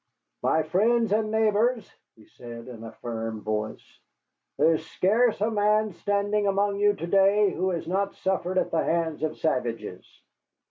"My friends and neighbors," he said in a firm voice, "there is scarce a man standing among you to day who has not suffered at the hands of savages.